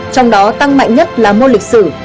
trong đó tăng mạnh nhất là môn lịch sử